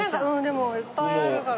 でもいっぱいあるから。